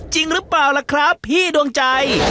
จริงหรือเปล่าล่ะครับพี่ดวงใจ